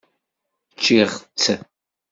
Ččiɣ-tt.